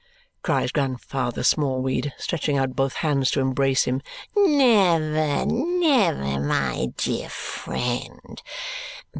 cries Grandfather Smallweed, stretching out both hands to embrace him. "Never! Never, my dear friend!